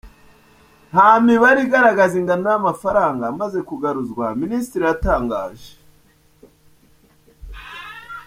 Nta mibare igaragaza ingano y’amafaranga amaze kugaruzwa minisitiri yatangaje.